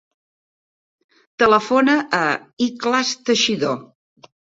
Telefona a l'Ikhlas Teixidor.